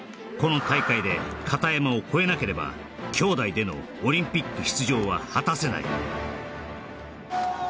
この大会で片山を超えなければ兄弟でのオリンピック出場は果たせない